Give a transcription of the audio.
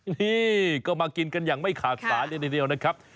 นี่ก็มากินกันอย่างไม่ขาดสายเลยทีเดียวนะครับ